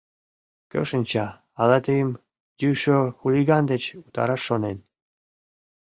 Кӧ шинча, ала тыйым йӱшӧ хулиган деч утараш шонен.